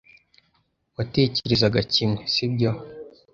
Watekerezaga kimwe, sibyo?